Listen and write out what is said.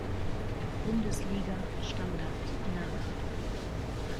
Bundesliga Standard nach.